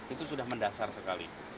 itu sudah mendasar sekali